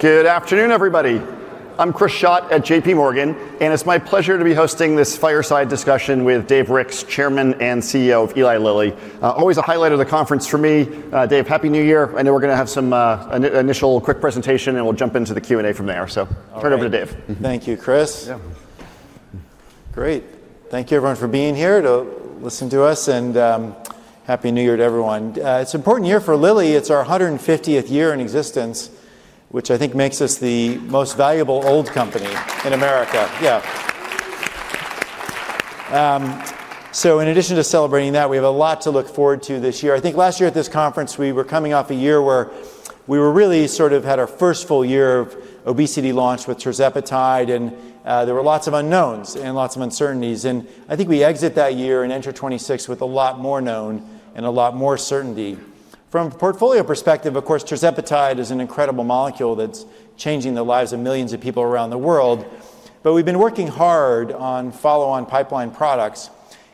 Good afternoon, everybody. I'm Chris Schott at JPMorgan, and it's my pleasure to be hosting this fireside discussion with Dave Ricks, Chairman and CEO of Eli Lilly. Always a highlight of the conference for me. Dave, happy new year. I know we're going to have some initial quick presentation, and we'll jump into the Q&A from there. So I'll turn it over to Dave. Thank you, Chris. Yeah. Great. Thank you, everyone, for being here to listen to us and happy new year to everyone. It's an important year here for Lilly. It's our 150th year in existence, which I think makes us the most valuable old company in America. Yeah. So in addition to celebrating that, we have a lot to look forward to this year. I think last year at this conference, we were coming off a year where we were really sort of had our first full year of obesity launch with tirzepatide and there were lots of unknowns and lots of uncertainties, and I think we exit that year and enter 2026 with a lot more known and a lot more certainty. From a portfolio perspective, of course, tirzepatide is an incredible molecule that's changing the lives of millions of people around the world, but we've been working hard on follow-on pipeline products.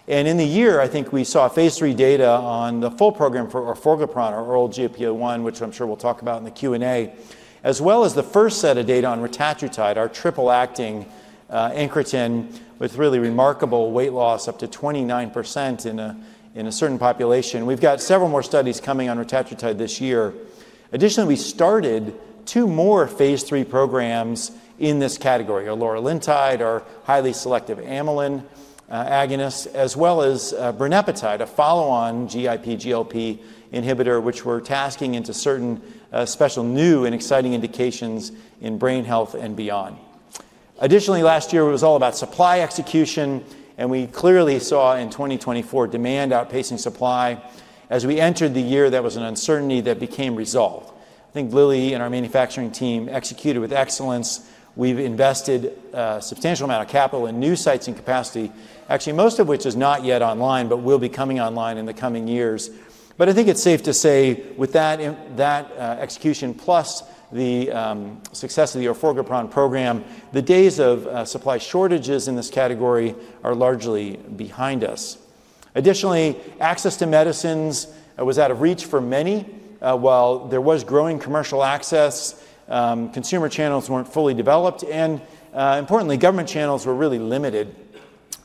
And in the year, I think we saw phase III data on the full program for orforglipron, our oral GLP-1, which I'm sure we'll talk about in the Q&A, as well as the first set of data on retatrutide, our triple-acting incretin with really remarkable weight loss up to 29% in a certain population. We've got several more studies coming on retatrutide this year. Additionally, we started two more phase III programs in this category, our eloralintide, our highly selective amylin agonist, as well as brenipatide, a follow-on GIP/GLP-1 inhibitor which we're taking into certain special new and exciting indications in brain health and beyond. Additionally, last year was all about supply execution, and we clearly saw in 2024 demand outpacing supply as we entered the year that was an uncertainty that became resolved. I think Lilly and our manufacturing team executed with excellence. We've invested a substantial amount of capital in new sites and capacity, actually most of which is not yet online, but will be coming online in the coming years, but I think it's safe to say with that execution plus the success of the orforglipron program, the days of supply shortages in this category are largely behind us. Additionally, access to medicines was out of reach for many. While there was growing commercial access, consumer channels weren't fully developed, and importantly, government channels were really limited.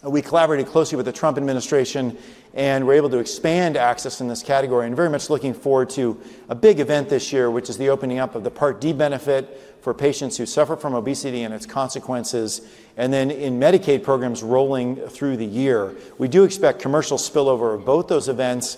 We collaborated closely with the Trump administration and were able to expand access in this category and very much looking forward to a big event this year, which is the opening up of the Part D benefit for patients who suffer from obesity and its consequences, and then in Medicaid programs rolling through the year. We do expect commercial spillover of both those events.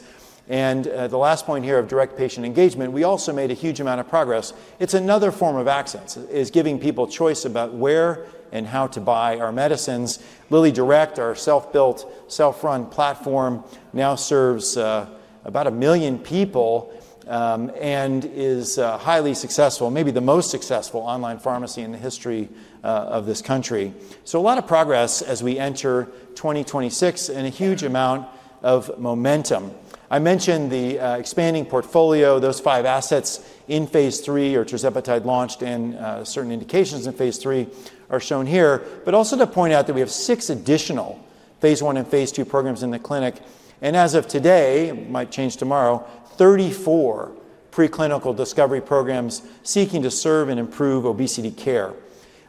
And the last point here of direct patient engagement, we also made a huge amount of progress. It's another form of access, is giving people choice about where and how to buy our medicines. LillyDirect, our self-built, self-run platform, now serves about 1 million people and is highly successful, maybe the most successful, online pharmacy in the history of this country. So a lot of progress as we enter 2026 and a huge amount of momentum. I mentioned the expanding portfolio, those five assets in phase III or tirzepatide launched in certain indications in phase III are shown here, but also to point out that we have six additional phase I and phase II programs in the clinic. And as of today, might change tomorrow, 34 preclinical discovery programs seeking to serve and improve obesity care.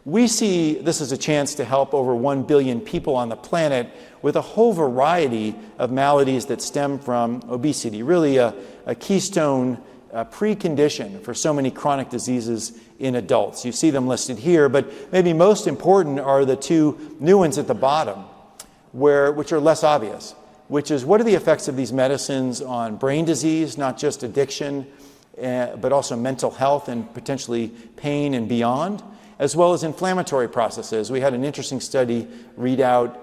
We see this as a chance to help over 1 billion people on the planet with a whole variety of maladies that stem from obesity, really a keystone precondition for so many chronic diseases in adults. You see them listed here, but maybe most important are the two new ones at the bottom, which are less obvious, which is what are the effects of these medicines on brain disease, not just addiction but also mental health and potentially pain and beyond, as well as inflammatory processes. We had an interesting study readout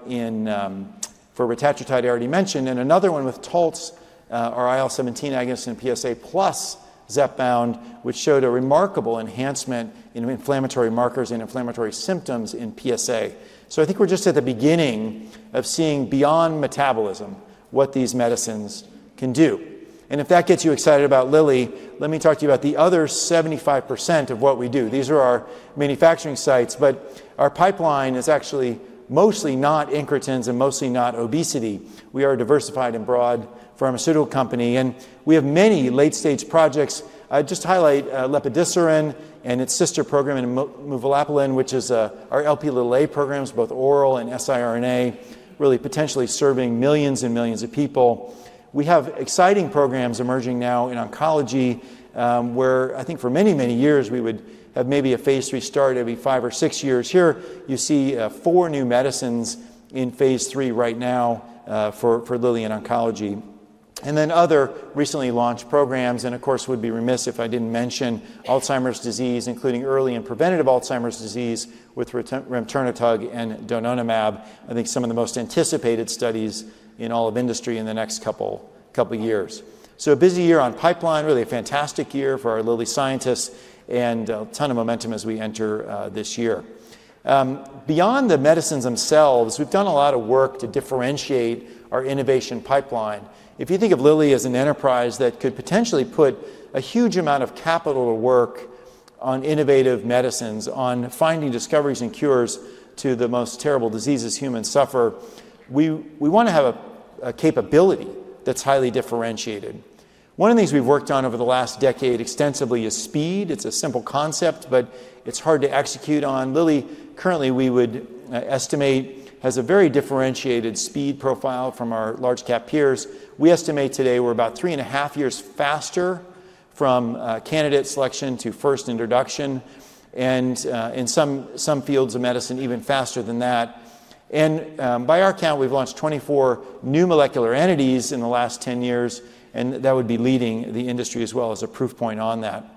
for retatrutide I already mentioned, and another one with Taltz, our IL-17 agonist in PsA, plus Zepbound, which showed a remarkable enhancement in inflammatory markers and inflammatory symptoms in PsA. So I think we're just at the beginning of seeing beyond metabolism what these medicines can do. And if that gets you excited about Lilly, let me talk to you about the other 75% of what we do. These are our manufacturing sites, but our pipeline is actually mostly not incretins and mostly not obesity. We are a diversified and broad pharmaceutical company, and we have many late-stage projects. I'd just highlight lepodisiran and its sister program in muvalaplin, which is our Lp(a) programs, both oral and siRNA, really potentially serving millions and millions of people. We have exciting programs emerging now in oncology where I think for many, many years we would have maybe a phase III start every five or six years. Here you see four new medicines in phase III right now for Lilly in oncology. And then other recently launched programs. And of course, would be remiss if I didn't mention Alzheimer's disease, including early and preventative Alzheimer's disease, with remternetug and donanemab. I think some of the most anticipated studies in all of industry in the next couple of years. So a busy year on pipeline, really a fantastic year for our Lilly scientists and a ton of momentum as we enter this year. Beyond the medicines themselves, we've done a lot of work to differentiate our innovation pipeline. If you think of Lilly as an enterprise that could potentially put a huge amount of capital to work on innovative medicines, on finding discoveries and cures to the most terrible diseases humans suffer, we want to have a capability that's highly differentiated. One of the things we've worked on over the last decade extensively is speed. It's a simple concept, but it's hard to execute on. Lilly, currently, we would estimate has a very differentiated speed profile from our large-cap peers. We estimate today we're about three and a half years faster from candidate selection to first introduction, and in some fields of medicine, even faster than that, and by our count, we've launched 24 new molecular entities in the last 10 years, and that would be leading the industry as well as a proof point on that.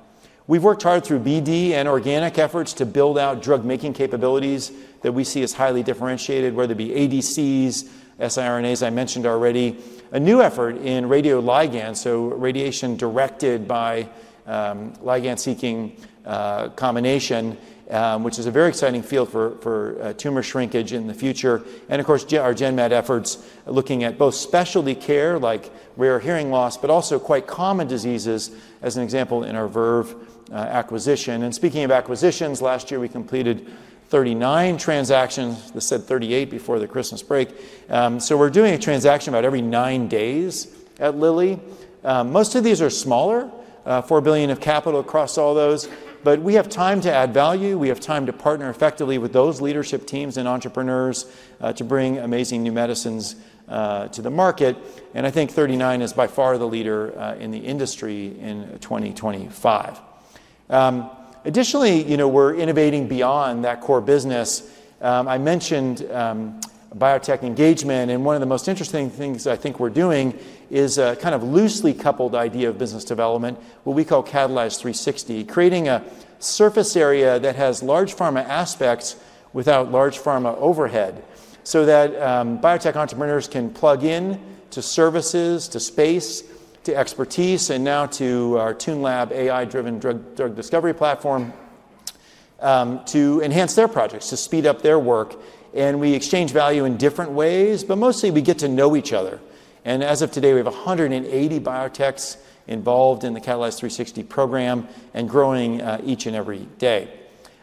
We've worked hard through BD and organic efforts to build out drug-making capabilities that we see as highly differentiated, whether it be ADCs, siRNAs, I mentioned already. A new effort in radioligand, so radiation directed by ligand-seeking combination, which is a very exciting field for tumor shrinkage in the future. And of course, our gen med efforts looking at both specialty care like rare hearing loss but also quite common diseases, as an example, in our Verve acquisition. And speaking of acquisitions, last year we completed 39 transactions. We said 38 before the Christmas break. So we're doing a transaction about every nine days at Lilly. Most of these are smaller, $4 billion of capital across all those, but we have time to add value. We have time to partner effectively with those leadership teams and entrepreneurs to bring amazing new medicines to the market. I think 39 is by far the leader in the industry in 2025. Additionally, we're innovating beyond that core business. I mentioned biotech engagement, and one of the most interesting things I think we're doing is a kind of loosely coupled the idea of business development, what we call Catalyze360, creating a surface area that has large pharma aspects without large pharma overhead so that biotech entrepreneurs can plug in to services, to space, to expertise, and now to our TuneLab AI-driven drug discovery platform to enhance their projects, to speed up their work. We exchange value in different ways, but mostly we get to know each other. As of today, we have 180 biotechs involved in the Catalyze360 program and growing each and every day.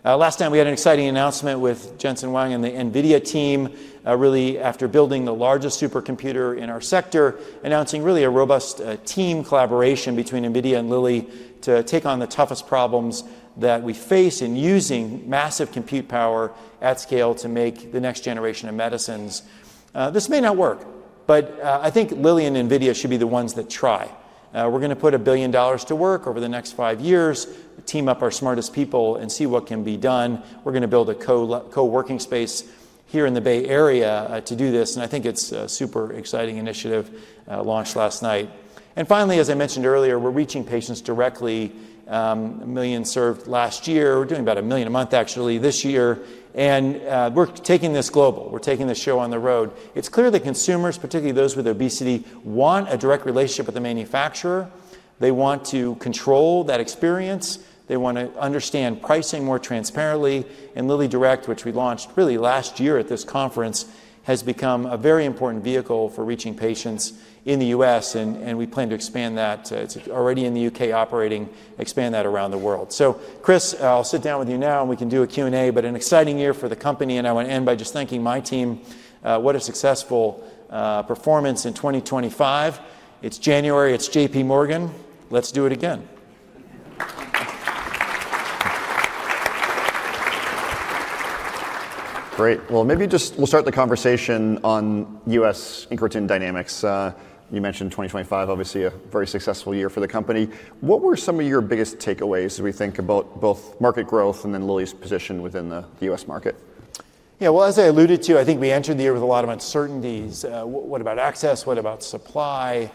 Last time, we had an exciting announcement with Jensen Huang and the NVIDIA team, really after building the largest supercomputer in our sector, announcing really a robust team collaboration between NVIDIA and Lilly to take on the toughest problems that we face in using massive compute power at scale to make the next generation of medicines. This may not work, but I think Lilly and NVIDIA should be the ones that try. We're going to put $1 billion to work over the next five years, team up our smartest people and see what can be done. We're going to build a co-working space here in the Bay Area to do this, and I think it's a super exciting initiative launched last night. Finally, as I mentioned earlier, we're reaching patients directly. 1 million served last year. We're doing about 1 million a month actually this year. And we're taking this global. We're taking the show on the road. It's clear that consumers, particularly those with obesity, want a direct relationship with the manufacturer. They want to control that experience. They want to understand pricing more transparently. And LillyDirect, which we launched really last year at this conference, has become a very important vehicle for reaching patients in the U.S., and we plan to expand that. It's already in the U.K. operating, expand that around the world. So Chris, I'll sit down with you now and we can do a Q&A, but an exciting year for the company. And I want to end by just thanking my team. What a successful performance in 2025. It's January. It's JPMorgan. Let's do it again. Great. Well, maybe just we'll start the conversation on U.S. incretin dynamics. You mentioned 2025, obviously a very successful year for the company. What were some of your biggest takeaways as we think about both market growth and then Lilly's position within the U.S. market? Yeah, well, as I alluded to, I think we entered the year with a lot of uncertainties. What about access? What about supply?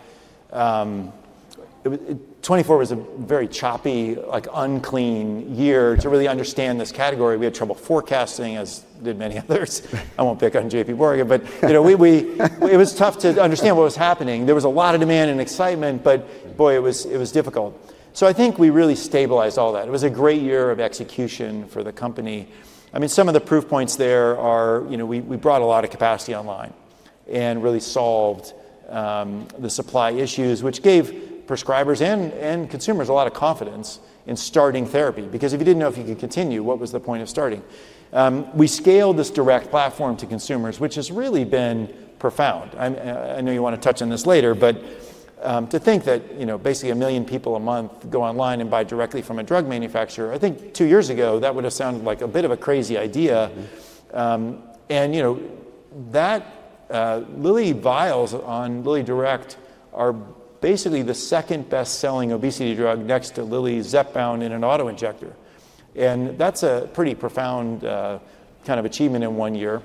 2024 was a very choppy, unclean year to really understand this category. We had trouble forecasting, as did many others. I won't pick on JPMorgan, but it was tough to understand what was happening. There was a lot of demand and excitement, but boy, it was difficult. So I think we really stabilized all that. It was a great year of execution for the company. I mean, some of the proof points there are we brought a lot of capacity online and really solved the supply issues, which gave prescribers and consumers a lot of confidence in starting therapy. Because if you didn't know if you could continue, what was the point of starting? We scaled this direct platform to consumers, which has really been profound. I know you want to touch on this later, but to think that basically 1 million people a month go online and buy directly from a drug manufacturer, I think, two years ago, that would have sounded like a bit of a crazy idea. And that Lilly vials on LillyDirect are basically the second best-selling obesity drug next to Lilly Zepbound in an autoinjector. And that's a pretty profound kind of achievement in one year.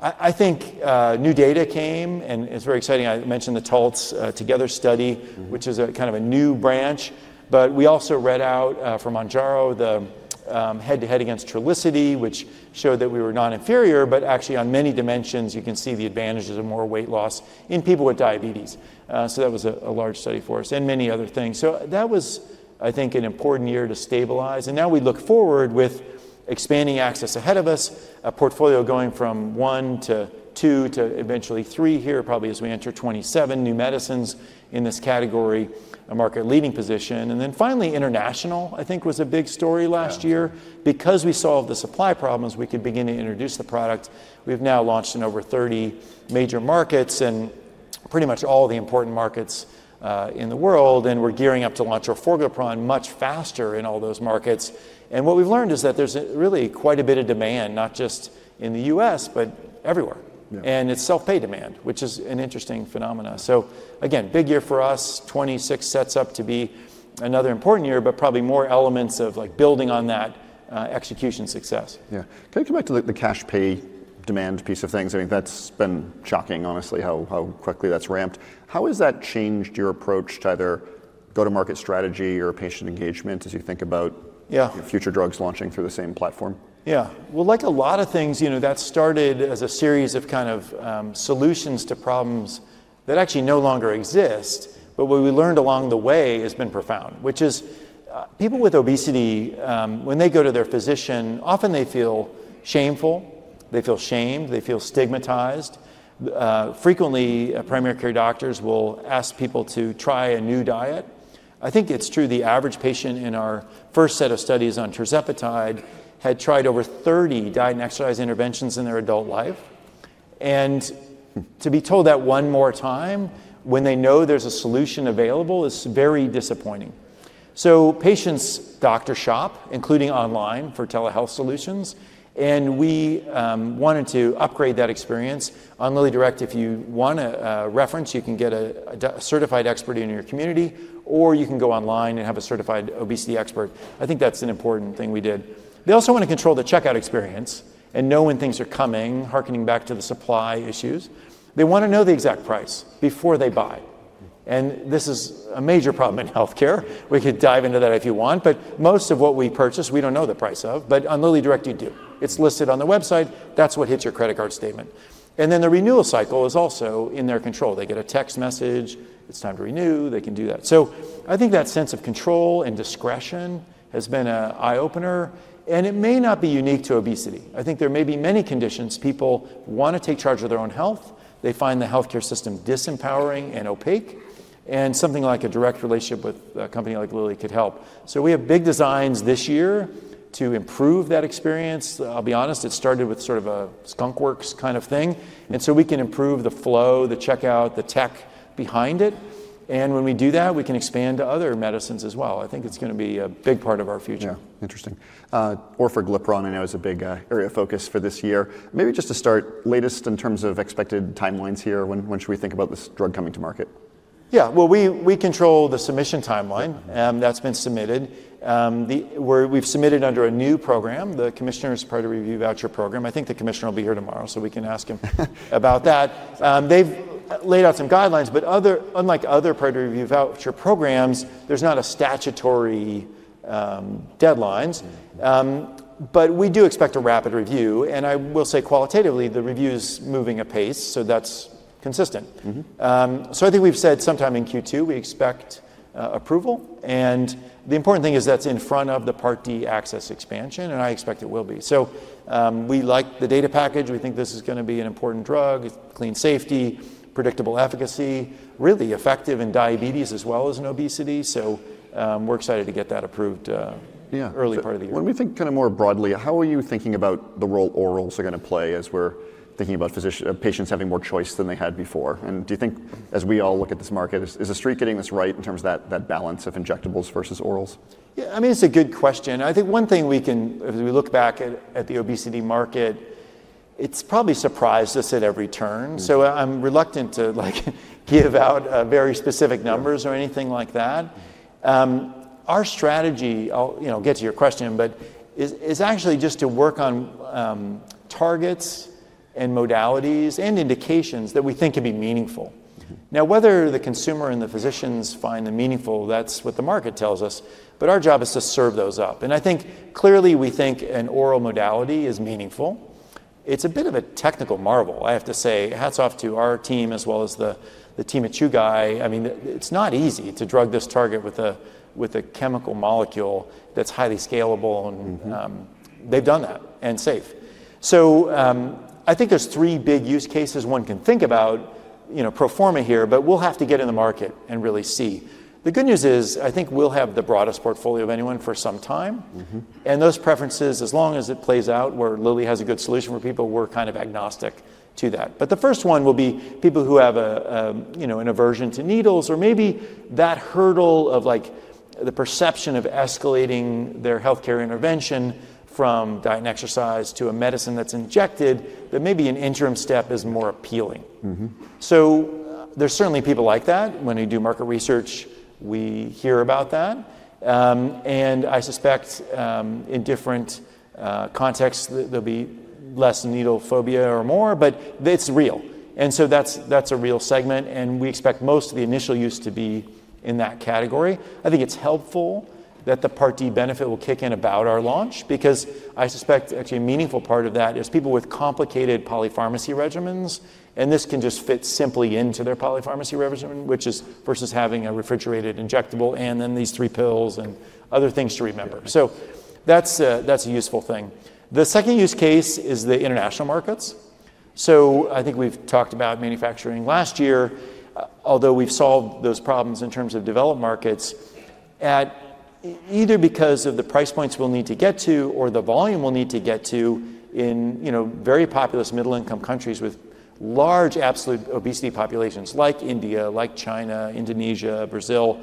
I think new data came, and it's very exciting. I mentioned the Taltz TOGETHER study, which is a kind of a new branch, but we also read out from Mounjaro the head-to-head against Trulicity, which showed that we were not inferior, but actually on many dimensions, you can see the advantages of more weight loss in people with diabetes. So that was a large study for us and many other things. So that was, I think, an important year to stabilize. And now we look forward with expanding access ahead of us, a portfolio going from one to two to eventually three here, probably as we enter 2027, new medicines in this category, a market-leading position. And then finally, international, I think, was a big story last year. Because we solved the supply problems, we could begin to introduce the product. We've now launched in over 30 major markets and pretty much all the important markets in the world, and we're gearing up to launch orforglipron much faster in all those markets. And what we've learned is that there's really quite a bit of demand not just in the U.S. but everywhere. And it's self-pay demand, which is an interesting phenomenon. So again, big year for us, 2026 sets up to be another important year, but probably more elements of building on that execution success. Yeah. Can we come back to the cash pay demand piece of things? I mean, that's been shocking, honestly, how quickly that's ramped. How has that changed your approach to either go-to-market strategy or patient engagement as you think about future drugs launching through the same platform? Yeah. Well, like a lot of things, that started as a series of kind of solutions to problems that actually no longer exist, but what we've learned along the way has been profound, which is people with obesity, when they go to their physician, often they feel shameful, they feel shamed, they feel stigmatized. Frequently, primary care doctors will ask people to try a new diet. I think it's true the average patient in our first set of studies on tirzepatide had tried over 30 diet and exercise interventions in their adult life. And to be told that one more time, when they know there's a solution available, is very disappointing. So patients doctor shop, including online for telehealth solutions, and we wanted to upgrade that experience. On LillyDirect, if you want a reference, you can get a certified expert in your community, or you can go online and have a certified obesity expert. I think that's an important thing we did. They also want to control the checkout experience and know when things are coming, hearkening back to the supply issues. They want to know the exact price before they buy. And this is a major problem in healthcare. We could dive into that if you want, but most of what we purchase, we don't know the price of, but on LillyDirect, you do. It's listed on the website. That's what hits your credit card statement. And then the renewal cycle is also in their control. They get a text message. It's time to renew. They can do that. So I think that sense of control and discretion has been an eye-opener. And it may not be unique to obesity. I think there may be many conditions. People want to take charge of their own health. They find the healthcare system disempowering and opaque, and something like a direct relationship with a company like Lilly could help. So we have big designs this year to improve that experience. I'll be honest, it started with sort of a Skunk Works kind of thing. And so we can improve the flow, the checkout, the tech behind it. And when we do that, we can expand to other medicines as well. I think it's going to be a big part of our future. Yeah. Interesting. Orforglipron I know is a big area of focus for this year. Maybe just to start, latest in terms of expected timelines here. When should we think about this drug coming to market? Yeah. Well, we control the submission timeline. That's been submitted. We've submitted under a new program, the commissioner's Priority Review Voucher program. I think the commissioner will be here tomorrow, so we can ask him about that. They've laid out some guidelines, but unlike other priority review voucher programs, there's not a statutory deadline. But we do expect a rapid review. And I will say qualitatively the review's moving apace, so that's consistent. So I think we've said, sometime in Q2, we expect approval. And the important thing is that's in front of the Part D access expansion, and I expect it will be. So we like the data package. We think this is going to be an important drug. It's clean safety, predictable efficacy, really effective in diabetes as well as in obesity, so we're excited to get that approved early part of the year. When we think kind of more broadly, how are you thinking about the role orals are going to play as we're thinking about patients having more choice than they had before? And do you think, as we all look at this market, is the Street getting this right in terms of that balance of injectables versus orals? Yeah. I mean it's a good question. I think one thing we can, as we look back at the obesity market, it's probably surprised us at every turn. So I'm reluctant to give out very specific numbers or anything like that. Our strategy, I'll get to your question, but is actually just to work on targets and modalities and indications that we think can be meaningful. Now, whether the consumer and the physicians find them meaningful, that's what the market tells us, but our job is to serve those up. And I think clearly we think an oral modality is meaningful. It's a bit of a technical marvel, I have to say. Hats off to our team as well as the team at Chugai. I mean it's not easy to drug this target with a chemical molecule that's highly scalable, and they've done that and safe. So I think there's three big use cases one can think about pro forma here, but we'll have to get in the market and really see. The good news is I think we'll have the broadest portfolio of anyone for some time. And those preferences, as long as it plays out where Lilly has a good solution for people, we're kind of agnostic to that. But the first one will be people who have an aversion to needles or maybe that hurdle of the perception of escalating their healthcare intervention from diet and exercise to a medicine that's injected but maybe an interim step is more appealing. So there's certainly people like that. When we do market research, we hear about that. And I suspect in different contexts there'll be less needle phobia or more, but it's real. That's a real segment, and we expect most of the initial use to be in that category. I think it's helpful that the Part D benefit will kick in about our launch because I suspect actually a meaningful part of that is people with complicated polypharmacy regimens, and this can just fit simply into their polypharmacy regimen, which is versus having a refrigerated injectable and then these three pills and other things to remember. That's a useful thing. The second use case is the international markets. I think we've talked about manufacturing last year, although we've solved those problems in terms of developed markets. Either because of the price points we'll need to get to or the volume we'll need to get to in very populous middle-income countries with large absolute obesity populations like India, like China, Indonesia, Brazil,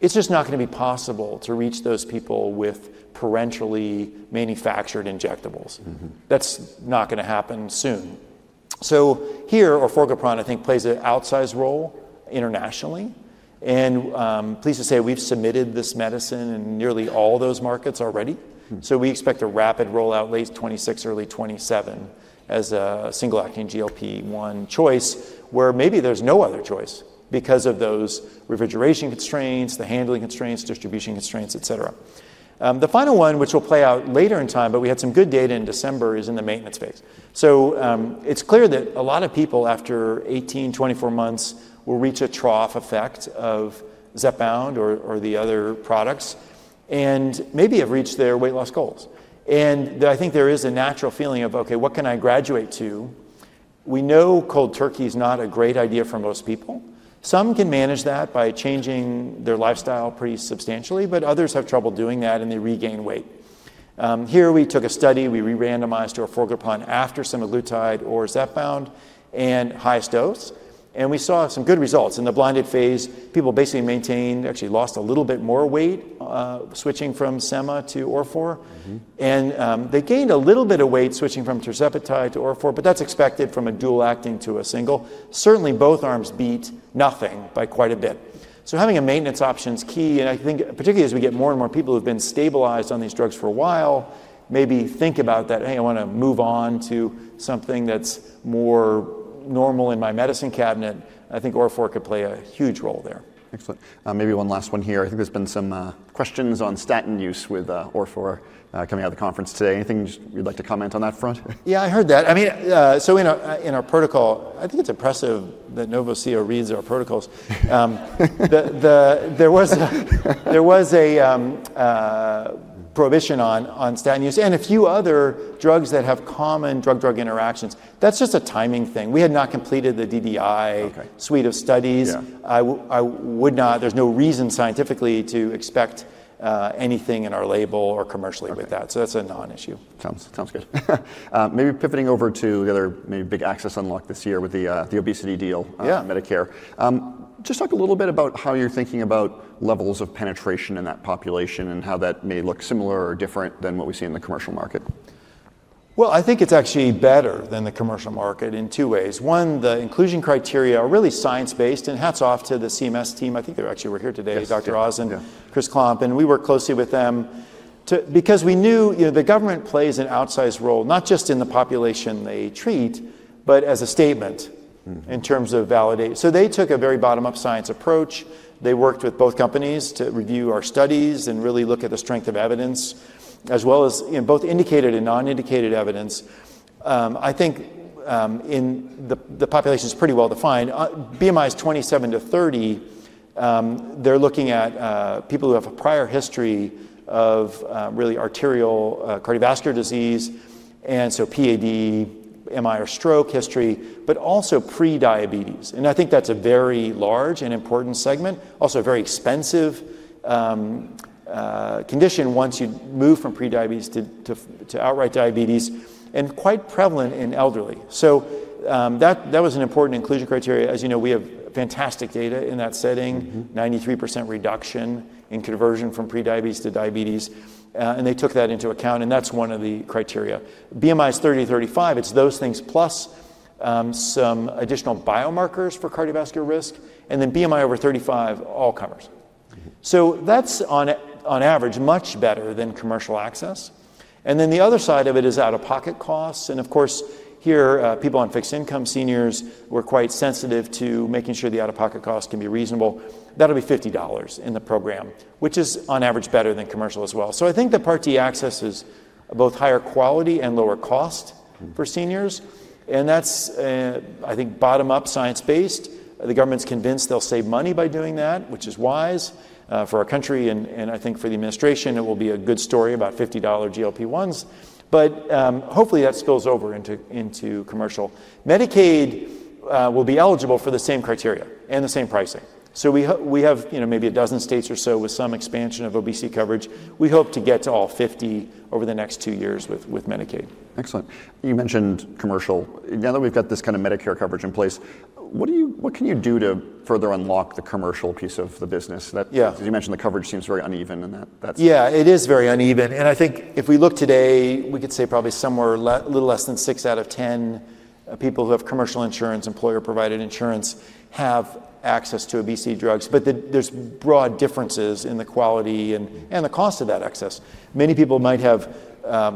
it's just not going to be possible to reach those people with parenterally manufactured injectables. That's not going to happen soon. So here, orforglipron, I think plays an outsized role internationally. And pleased to say we've submitted this medicine in nearly all those markets already, so we expect a rapid rollout late 2026, early 2027 as a single-acting GLP-1 choice where maybe there's no other choice because of those refrigeration constraints, the handling constraints, distribution constraints, et cetera. The final one, which will play out later in time, but we had some good data in December, is in the maintenance phase. So it's clear that a lot of people, after 18, 24 months, will reach a trough effect of Zepbound or the other products and maybe have reached their weight loss goals. And I think there is a natural feeling of, "Okay, what can I graduate to?" We know cold turkey is not a great idea for most people. Some can manage that by changing their lifestyle pretty substantially, but others have trouble doing that and they regain weight. Here we took a study. We re-randomized orforglipron after semaglutide or Zepbound and highest dose, and we saw some good results. In the blinded phase, people basically maintained, actually lost a little bit more, weight switching from sema to orfor. And they gained a little bit of weight switching from tirzepatide to orfor, but that's expected from a dual-acting to a single. Certainly, both arms beat nothing by quite a bit, so having a maintenance option is key. And I think, particularly as we get more and more people who've been stabilized on these drugs for a while, maybe think about that, "Hey, I want to move on to something that's more normal in my medicine cabinet." I think orforglipron could play a huge role there. Excellent. Maybe one last one here. I think there's been some questions on statin use with orforglipron, coming out of the conference today. Anything you'd like to comment on that front? Yeah, I heard that. I mean, so in our protocol, I think it's impressive that Novo's CEO reads our protocols. There was a prohibition on statin use and a few other drugs that have common drug-drug interactions. That's just a timing thing. We had not completed the DDI suite of studies. Okay, yes. There's no reason scientifically to expect anything in our label or commercially with that, so that's a non-issue. Sounds good. Maybe pivoting over to the other maybe big access unlock this year with the obesity deal on Medicare. Just talk a little bit about how you're thinking about levels of penetration in that population and how that may look similar or different than what we see in the commercial market. I think it's actually better than the commercial market in two ways. One, the inclusion criteria are really science-based, and hats off to the CMS team. I think they're actually here today, Dr. Oz and Chris Klomp. And we work closely with them because we knew the government plays an outsized role not just in the population they treat but as a statement in terms of validation. So they took a very bottom-up science approach. They worked with both companies to review our studies and really look at the strength of evidence as well as both indicated and non-indicated evidence. I think the population is pretty well defined. BMIs 27-30, they're looking at people who have a prior history of really arterial cardiovascular disease, and so PAD, MI, or stroke history, but also pre-diabetes. I think that's a very large and important segment, also a very expensive condition once you move from pre-diabetes to outright diabetes and quite prevalent in elderly. So that was an important inclusion criteria. As you know, we have fantastic data in that setting, 93% reduction in conversion from pre-diabetes to diabetes. And they took that into account, and that's one of the criteria. BMIs 30, 35, it's those things, plus some additional biomarkers for cardiovascular risk. And then BMI over 35, all comers. So that's on average much better than commercial access. And then the other side of it is out-of-pocket costs. And of course, here, people on fixed income, seniors were quite sensitive to making sure the out-of-pocket costs can be reasonable. That'll be $50 in the program, which is on average better than commercial as well. So I think the Part D access is both higher quality and lower cost for seniors. And that's, I think, bottom-up science-based. The government's convinced they'll save money by doing that, which is wise for our country. And I think, for the administration, it will be a good story about $50 GLP-1s, but hopefully, that spills over into commercial. Medicaid will be eligible for the same criteria and the same pricing. So we have maybe a dozen states or so with some expansion of obesity coverage. We hope to get to all 50 over the next two years with Medicaid. Excellent. You mentioned commercial. Now that we've got this kind of Medicare coverage in place, what can you do to further unlock the commercial piece of the business? Yes. Because you mentioned the coverage seems very uneven and that's. Yeah, it is very uneven. And I think if we look today, we could say probably somewhere a little less than six out of 10 people who have commercial insurance, employer-provided insurance, have access to obesity drugs, but there's broad differences in the quality and the costs of that access. Many people might have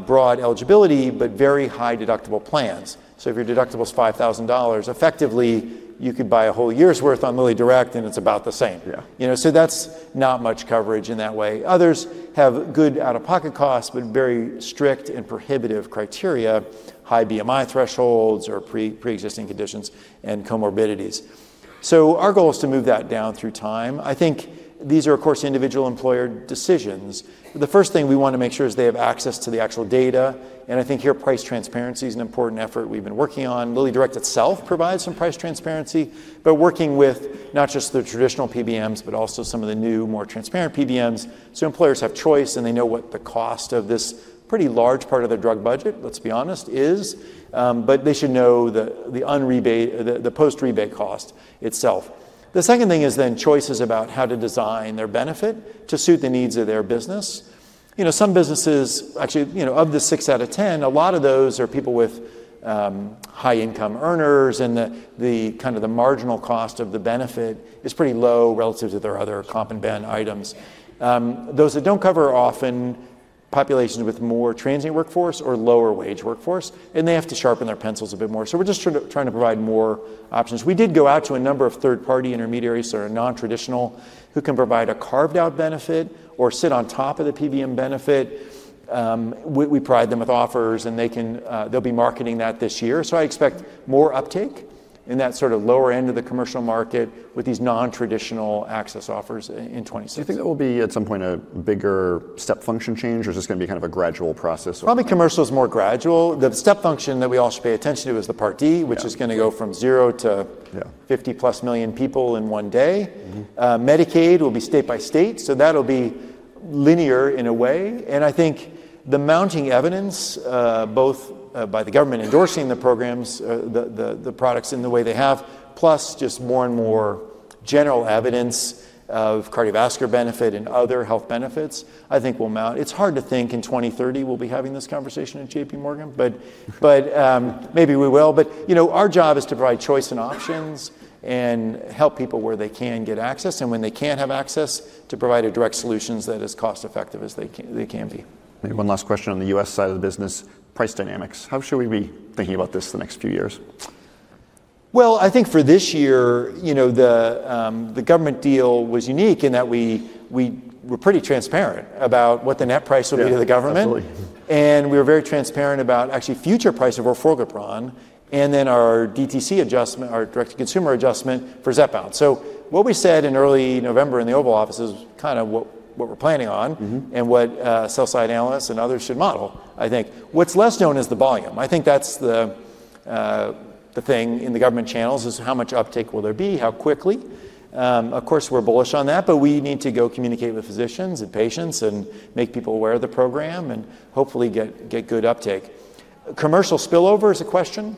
broad eligibility but very high deductible plans. So if your deductible is $5,000, effectively you could buy a whole year's worth on LillyDirect, and it's about the same. Yes. So that's not much coverage in that way. Others have good out-of-pocket costs but very strict and prohibitive criteria, high BMI thresholds or pre-existing conditions and comorbidities. So our goal is to move that down through time. I think these are, of course, individual employer decisions. The first thing we want to make sure is they have access to the actual data. I think here price transparency is an important effort we've been working on. LillyDirect itself provides some price transparency, but working with not just the traditional PBMs but also some of the new, more transparent PBMs so employers have choice and they know what the cost of this pretty large part of their drug budget, let's be honest, is. They should know the post-rebate cost itself. The second thing is then choices about how to design their benefit to suit the needs of their business. Some businesses, actually of the six out of 10, a lot of those are people with high-income earners, and the kind of marginal cost of the benefit is pretty low relative to their other comp and ben items. Those that don't cover are often populations with more transient workforce or lower-wage workforce, and they have to sharpen their pencils a bit more. So we're just trying to provide more options. We did go out to a number of third-party intermediaries that are non-traditional who can provide a carved-out benefit or sit on top of the PBM benefit. We provide them with offers, and they'll be marketing that this year, so I expect more uptake in that sort of lower end of the commercial market with these non-traditional access offers in 2026. Do you think there will be at some point a bigger step function change, or is this going to be kind of a gradual process? Probably commercial is more gradual. The step function that we all should pay attention to is the Part D, which is going to go from zero to 50 million+ people in one day. Medicaid will be state by state, so that'll be linear in a way. And I think the mounting evidence, both by the government endorsing the programs, the products in the way they have, plus just more and more general evidence of cardiovascular benefit and other health benefits, I think, will mount. It's hard to think in 2030 we'll be having this conversation at JPMorgan, but maybe we will. But our job is to provide choice and options and help people where they can get access; and when they can't have access, to provide a direct solution that is cost effective as they can be. Maybe one last question on the U.S. side of the business, price dynamics. How should we be thinking about this the next few years? I think, for this year, the government deal was unique in that we were pretty transparent about what the net price would be to the government. Yes, definitely. And we were very transparent about actually future price of orforglipron and then our DTC adjustment, our direct-to-consumer adjustment for Zepbound. So what we said in early November in the Oval Office is kind of what we're planning on and what sell-side analysts and others should model, I think. What's less known is the volume. I think that's the thing in the government channels. It's how much uptake will there be, how quickly. Of course, we're bullish on that, but we need to go communicate with physicians and patients and make people aware of the program and hopefully get good uptake. Commercial spillover is a question.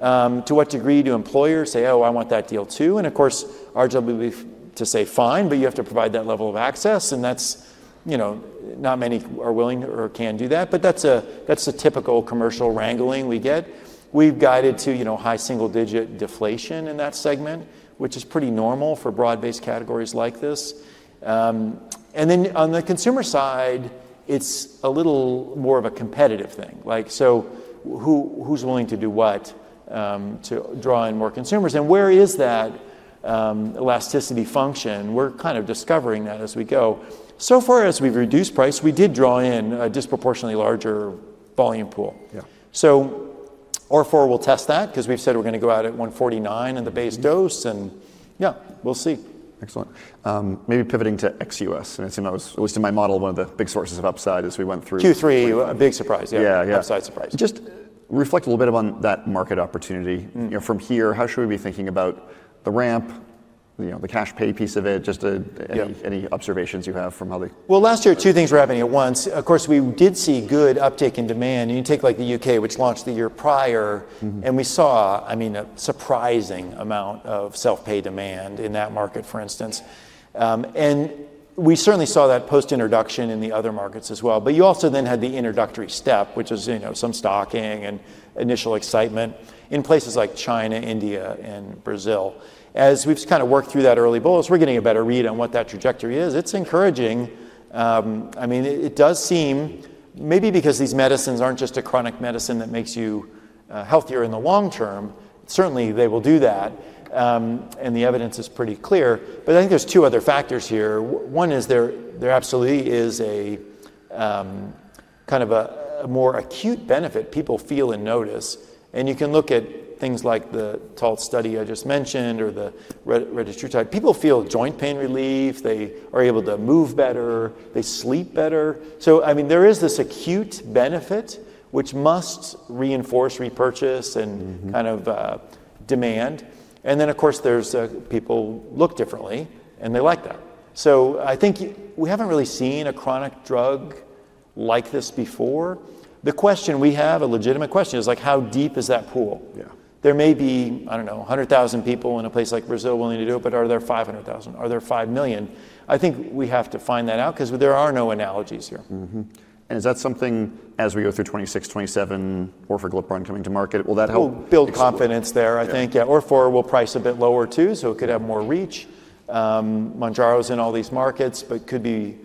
To what degree do employers say, "Oh, I want that deal too?" And of course, our job will be to say, "Fine," but you have to provide that level of access. And not many are willing or can do that, but that's a typical commercial wrangling we get. We've guided to high single-digit deflation in that segment, which is pretty normal for broad-based categories like this. And then on the consumer side, it's a little more of a competitive thing. So who's willing to do what to draw in more consumers? And where is that elasticity function? We're kind of discovering that as we go. So far as we've reduced price, we did draw in a disproportionately larger volume pool. So orforglipron will test that because we've said we're going to go out at $149 in the base dose. And yeah, we'll see. Excellent. Maybe pivoting to ex U.S. And it seemed that was, at least in my model, one of the big sources of upside as we went through. Q3, a big surprise surprise. Yeah, yeah. Just reflect a little bit on that market opportunity. From here, how should we be thinking about the ramp, the cash pay piece of it? Just any observations you have from how they. Last year, two things were happening at once. Of course, we did see good uptake in demand. You take like the U.K., which launched the year prior, and we saw, I mean, a surprising amount of self-pay demand in that market, for instance. And we certainly saw that post-introduction in the other markets as well, but you also then had the introductory step, which was some stocking and initial excitement in places like China, India, and Brazil. As we've kind of worked through that early bulge, we're getting a better read on what that trajectory is. It's encouraging. I mean it does seem maybe because these medicines aren't just a chronic medicine that makes you healthier in the long term. Certainly they will do that. And the evidence is pretty clear, but I think there's two other factors here. One is there absolutely is a kind of a more acute benefit people feel and notice. And you can look at things like the Taltz study I just mentioned or the registry type. People feel joint pain relief. They are able to move better. They sleep better. So I mean there is this acute benefit which must reinforce repurchase and kind of demand. And then, of course, people look different and they like that. So I think we haven't really seen a chronic drug like this before. The question we have, a legitimate question, is like how deep is that pool. There may be, I don't know, 100,000 people in a place like Brazil willing to do it, but are there 500,000? Are there 5 million? I think we have to find that out because there are no analogies here. Is that something, as we go through 2026, 2027, orforglipron coming to market, will that help? We'll build confidence there, I think. Yeah. Orforglipron, we'll price a bit lower too so it could have more reach. Mounjaro's in all these markets, but it could be,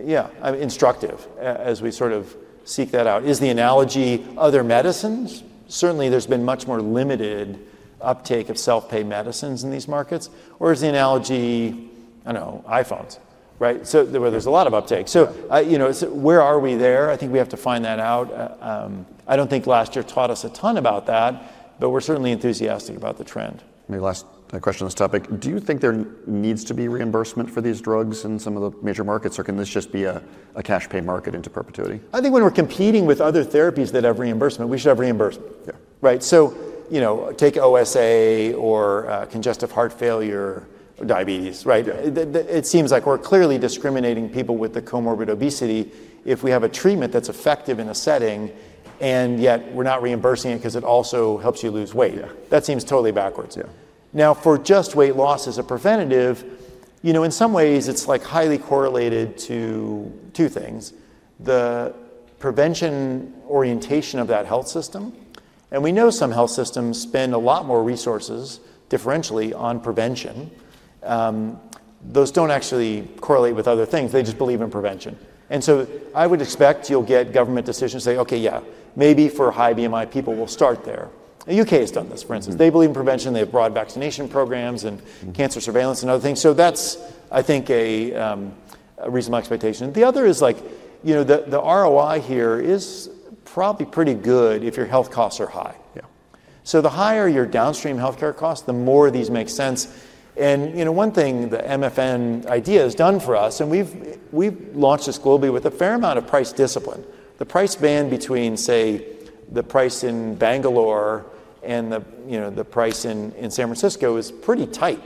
yeah, instructive as we sort of seek that out. Is the analogy other medicines? Certainly, there's been much more limited uptake of self-pay medicines in these markets. Or is the analogy, I don't know, iPhones, right? So there's a lot of uptake. So where are we there? I think we have to find that out. I don't think last year taught us a ton about that, but we're certainly enthusiastic about the trend. Maybe last question on this topic. Do you think there needs to be reimbursement for these drugs in some of the major markets, or can this just be a cash pay market into perpetuity? I think when we're competing with other therapies that have reimbursement, we should have reimbursement, right? So take OSA or congestive heart failure or diabetes, right? It seems like we're clearly discriminating people with the comorbid obesity if we have a treatment that's effective in a setting and yet we're not reimbursing it because it also helps you lose weight. Yeah. That seems totally backwards. Yeah. Now, for just weight loss as a preventative, in some ways, it's like highly correlated to two things: the prevention orientation of that health system, and we know some health systems spend a lot more resources differentially on prevention. Those don't actually correlate with other things. They just believe in prevention. And so I would expect you'll get government decisions to say, okay, yeah, maybe for high-BMI people, we'll start there. The U.K. has done this, for instance. They believe in prevention. They have broad vaccination programs and cancer surveillance and other things. So that's, I think, a reasonable expectation. The other is like the ROI here is probably pretty good if your health costs are high. Yeah. So the higher your downstream healthcare costs, the more these make sense. And one thing the MFN idea has done for us, and we've launched this globally with a fair amount of price discipline. The price band between, say, the price in Bangalore and the price in San Francisco is pretty tight,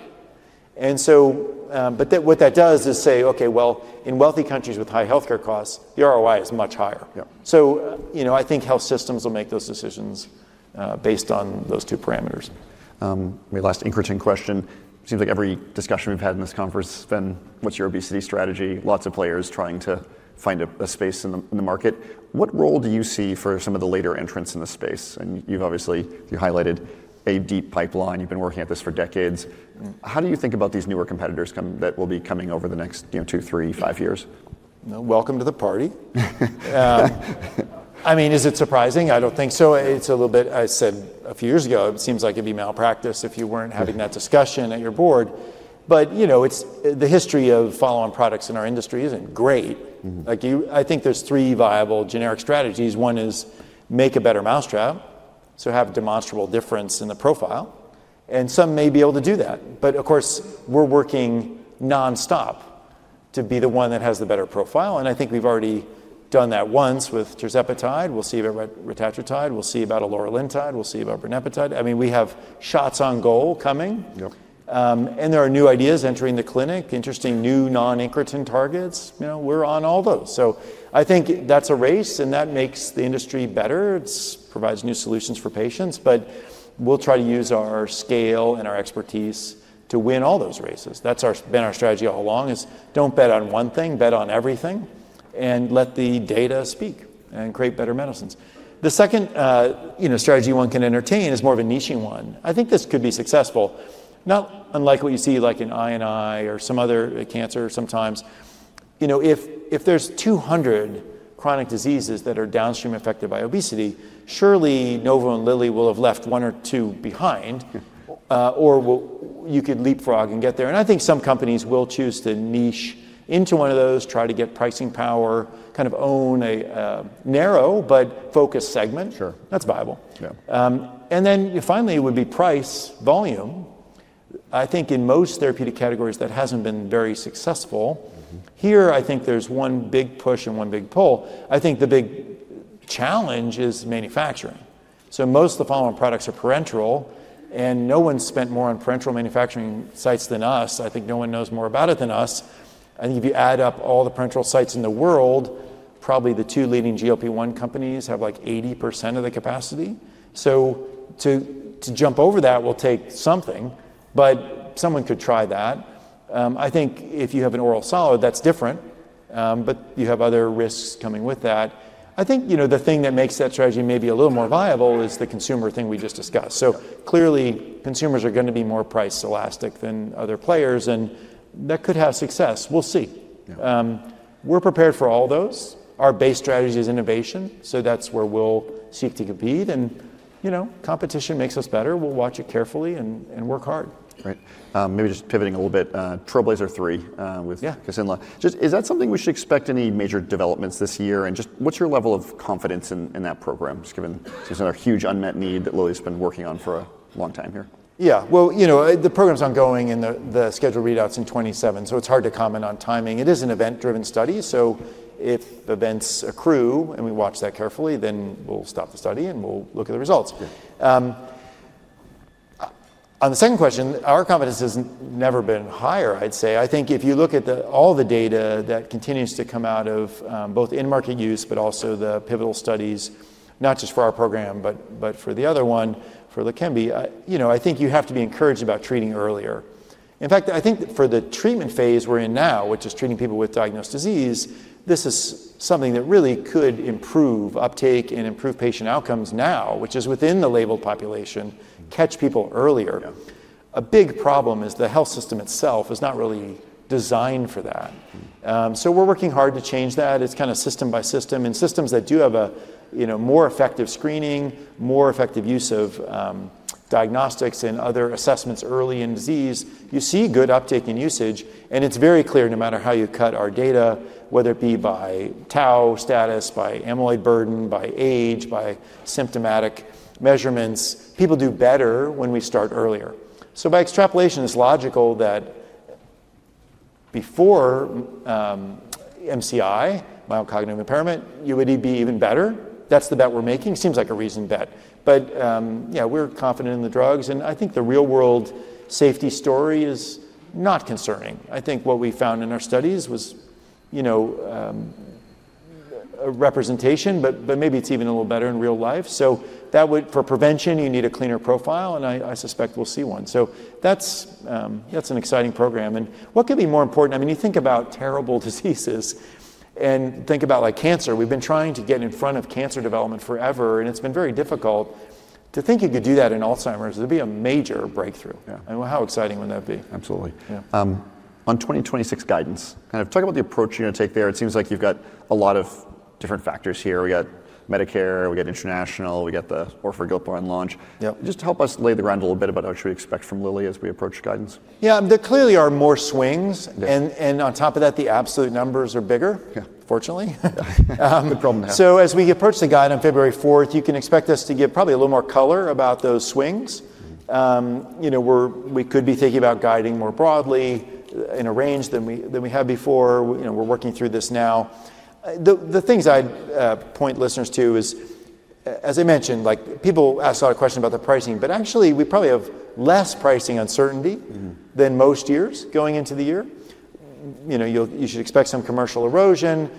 but what that does is say, okay, well, in wealthy countries with high healthcare costs, the ROI is much higher. Yeah. So I think health systems will make those decisions based on those two parameters. Maybe last question. It seems like every discussion we've had in this conference has been, "What's your obesity strategy?" Lots of players trying to find a space in the market. What role do you see for some of the later entrants in the space? And you've obviously highlighted a deep pipeline. You've been working at this for decades. How do you think about these newer competitors that will be coming over the next two, three, five years? Welcome to the party. I mean, is it surprising? I don't think so. It's a little bit. I said a few years ago it seems like it'd be malpractice if you weren't having that discussion at your board, but the history of follow-on products in our industry isn't great. I think there's three viable generic strategies. One is make a better mousetrap, so have a demonstrable difference in the profile. And some may be able to do that. But of course, we're working nonstop to be the one that has the better profile. And I think we've already done that once with tirzepatide. We'll see that with retatrutide. We'll see about eloralintide. We'll see about brenipatide. I mean we have shots on goal coming. And there are new ideas entering the clinic, interesting new non-incretin targets. We're on all those. So I think that's a race, and that makes the industry better. It provides new solutions for patients, but we'll try to use our scale and our expertise to win all those races. That's been our strategy all along, is don't bet on one thing, bet on everything, and let the data speak and create better medicines. The second strategy one can entertain is more of a niche-y one. I think this could be successful, not unlike what you see like in I&I or some other cancer sometimes. If there's 200 chronic diseases that are downstream affected by obesity, surely Novo and Lilly will have left one or two behind, or you could leapfrog and get there. And I think some companies will choose to niche into one of those, try to get pricing power, kind of own a narrow but focused segment. That's viable. Sure, yes. And then finally, it would be price, volume. I think in most therapeutic categories that hasn't been very successful. Here, I think there's one big push and one big pull. I think the big challenge is manufacturing. So most of the follow-on products are parenteral, and no one's spent more on parenteral manufacturing sites than us. I think no one knows more about it than us. I think if you add up all the parenteral sites in the world, probably the two leading GLP-1 companies have like 80% of the capacity. So to jump over that will take something, but someone could try that. I think if you have an oral solid, that's different, but you have other risks coming with that. I think the thing that makes that strategy maybe a little more viable is the consumer thing we just discussed. So clearly, consumers are going to be more price elastic than other players, and that could have success. We'll see. Yes. We're prepared for all those. Our base strategy is innovation, so that's where we'll seek to compete. And competition makes us better. We'll watch it carefully and work hard. Right. Maybe just pivoting a little bit, TRAILBLAZER III with Kisunla. Is that something we should expect any major developments this year? And just what's your level of confidence in that program, just given there's huge unmet need that Lilly's been working on for a long time here? Yeah. Well, the program's ongoing and the schedule readout is in 2027, so it's hard to comment on timing. It is an event-driven study, so if events accrue, and we watch that carefully, then we'll stop the study and we'll look at the results. Yes. On the second question, our confidence has never been higher, I'd say. I think if you look at all the data that continues to come out of both in-market use, but also the pivotal studies, not just for our program but for the other one for Leqembi, I think you have to be encouraged about treating earlier. In fact, I think for the treatment phase we're in now, which is treating people with diagnosed disease, this is something that really could improve uptake and improve patient outcomes now, which is within the labeled population, catch people earlier. Yes. A big problem is the health system itself is not really designed for that, so we're working hard to change that. It's kind of system by system. In systems that do have a more effective screening, more effective use of diagnostics and other assessments early in disease, you see good uptake and usage. And it's very clear, no matter how you cut our data, whether it be by tau status, by amyloid burden, by age, by symptomatic measurements, people do better when we start earlier, so by extrapolation, it's logical that, before MCI, mild cognitive impairment, you would be even better. That's the bet we're making. It seems like a reasoned bet, but we're confident in the drugs. And I think the real-world safety story is not concerning. I think what we found in our studies was a representation, but maybe it's even a little better in real life. So for prevention, you need a cleaner profile, and I suspect we'll see one. So that's an exciting program. And what could be more important? I mean you think about terrible diseases and think about cancer. We've been trying to get in front of cancer development forever, and it's been very difficult. To think you could do that in Alzheimer's, it'd be a major breakthrough. And how exciting would that be? Absolutely. On 2026 guidance, kind of talk about the approach you're going to take there. It seems like you've got a lot of different factors here. We got Medicare, we got international, we got the orforglipron launch. Just help us lay the ground a little bit about what should we expect from Lilly as we approach guidance. Yeah. There clearly are more swings. And on top of that, the absolute numbers are bigger, fortunately. Yes. So as we approach the guide on February 4th, you can expect us to get probably a little more color about those swings. We could be thinking about guiding more broadly in a range than we had before. We're working through this now. The things I'd point listeners to is, as I mentioned, people ask a lot of questions about the pricing, but actually we probably have less pricing uncertainty than most years going into the year. You should expect some commercial erosion,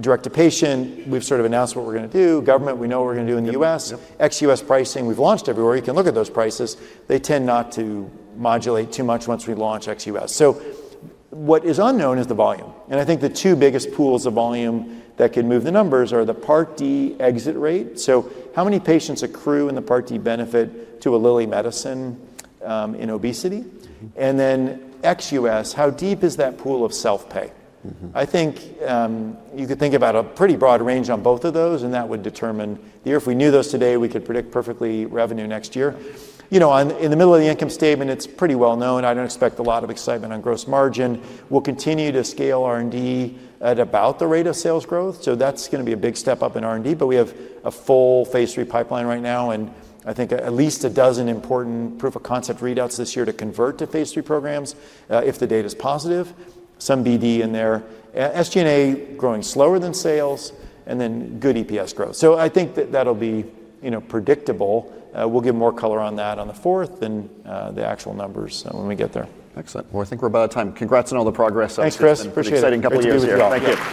direct-to-patient. We've sort of announced what we're going to do. Government, we know what we're going to do in the U.S. Ex U.S. pricing, we've launched everywhere. You can look at those prices. They tend not to modulate too much once we launch ex U.S. So what is unknown is the volume. And I think the two biggest pools of volume that could move the numbers are the Part D exit rate. So how many patients accrue in a Part D benefit to a Lilly medicine in obesity? And then ex U.S., how deep is that pool of self-pay? I think you could think about a pretty broad range on both of those, and that would determine the year. If we knew those today, we could predict perfectly revenue next year. In the middle of the income statement, it's pretty well known. I don't expect a lot of excitement on gross margin. We'll continue to scale R&D at about the rate of sales growth, so that's going to be a big step up in R&D, but we have a full phase III pipeline right now and I think at least a dozen important proof-of-concept readouts this year to convert to phase III programs if the data is positive. Some BD in there. SG&A, growing slower than sales. And then good EPS growth. So I think that that'll be predictable. We'll give more color on that on the 4th than the actual numbers when we get there. Excellent. Well, I think we're about out of time. Congrats on all the progress. Thanks, Chris. I appreciate it. Exciting couple of years as well. Thank you.